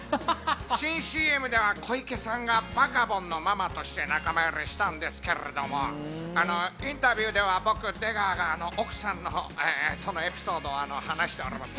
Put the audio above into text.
新ＣＭでは小池さんがバカボンのママとして仲間入りしたんですけれども、インタビューでは僕、出川が奥さんとのエピソードを話しております。